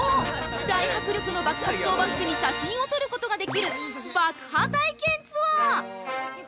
大迫力の爆発をバックに写真を撮ることができる爆破体験ツアー！